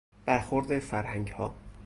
برخورد فرهنگها